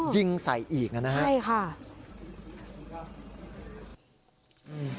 ยิงใส่อีกแล้วนะฮะนะคะใช่ค่ะโอ้โหตัวหน้าไหว